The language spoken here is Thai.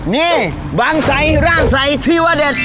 นี่บางใสร่างใสที่ว่าเด็ด